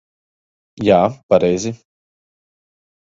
Jā, pareizi.